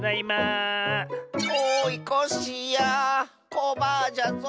コバアじゃぞ。